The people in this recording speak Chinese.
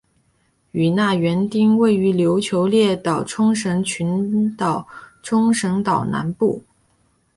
与那原町位于琉球列岛冲绳群岛冲绳岛南部。